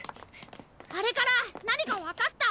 あれから何かわかった？